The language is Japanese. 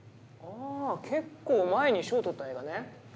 ああ結構前に賞取った映画ね。